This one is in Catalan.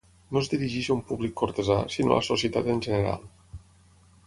No es dirigeix a un públic cortesà, sinó a la societat en general.